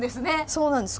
そうなんです。